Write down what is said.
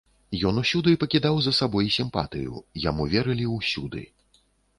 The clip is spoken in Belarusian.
Ён усюды пакідаў за сабой сімпатыю, яму верылі ўсюды.